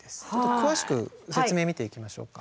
詳しく説明見ていきましょうか。